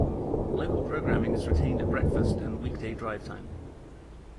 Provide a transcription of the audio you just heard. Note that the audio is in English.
Local programming is retained at breakfast and weekday drivetime.